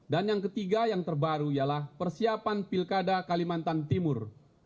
dan yang ketiga yang terbaru ialah persiapan pilkada kalimantan timur